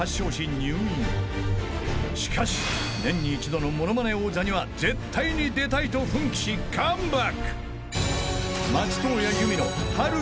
［しかし年に一度の『ものまね王座』には絶対に出たいと奮起しカムバック！］